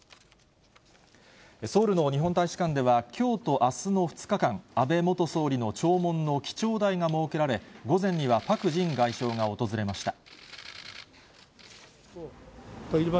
ソウルの日本大使館では、きょうとあすの２日間、安倍元総理の弔問の記帳台が設けられ、午前にはパク・ジン外相が訪れました。